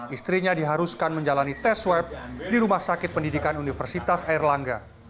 istrinya diharuskan menjalani tes swab di rumah sakit pendidikan universitas airlangga